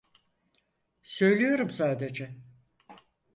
Söylüyorum sadece.